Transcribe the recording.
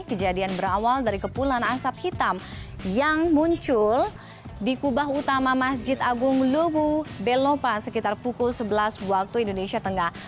kejadian berawal dari kepulan asap hitam yang muncul di kubah utama masjid agung luwu belopa sekitar pukul sebelas waktu indonesia tengah